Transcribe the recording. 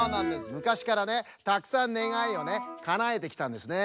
むかしからねたくさんねがいをねかなえてきたんですね。